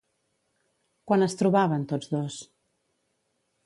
Quan es trobaven tots dos?